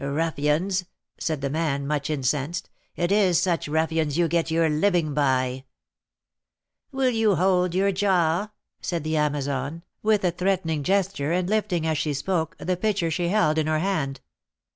"Ruffians!" said the man, much incensed; "it is such ruffians you get your living by." "Will you hold your jaw?" said the Amazon, with a threatening gesture, and lifting, as she spoke, the pitcher she held in her hand.